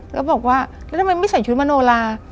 แล้วบอกว่าแล้วทำไมไม่ใส่ชุดมโนลา